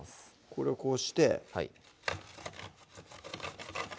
これをこうしてはい